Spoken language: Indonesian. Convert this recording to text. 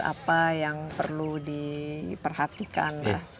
apa yang perlu diperhatikan